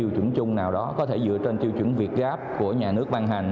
tiêu chuẩn chung nào đó có thể dựa trên tiêu chuẩn việc gáp của nhà nước văn hành